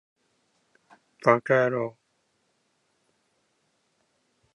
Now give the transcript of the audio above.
ヴぁかやろう